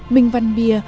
mình văn bia